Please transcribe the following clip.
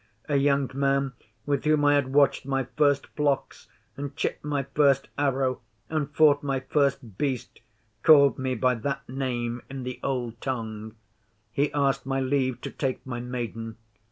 A young man with whom I had watched my first flocks, and chipped my first arrow, and fought my first Beast, called me by that name in the Old Tongue. He asked my leave to take my Maiden.